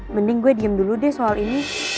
mending gue diem dulu deh soal ini